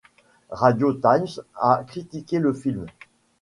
Radio Times a critiqué le film.